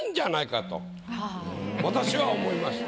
私は思いました。